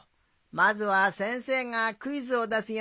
まずはせんせいがクイズをだすよ。